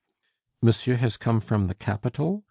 "Monsieur has come from the capital?"